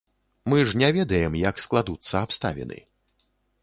Мы ж не ведаем, як складуцца абставіны.